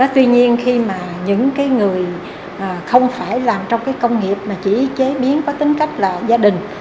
tuy nhiên khi mà những cái người không phải làm trong cái công nghiệp mà chỉ chế biến có tính cách là gia đình